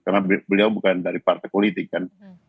karena beliau bukan dari partai politik kan